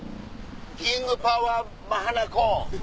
キングパワー・マハナコーン。